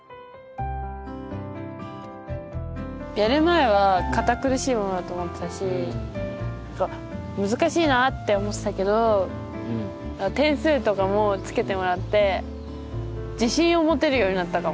やる前は堅苦しいものだと思ってたし難しいなって思ってたけど点数とかもつけてもらって自信を持てるようになったかも。